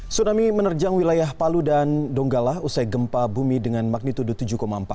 tsunami menerjang wilayah palu dan donggala usai gempa bumi dengan magnitudo tujuh empat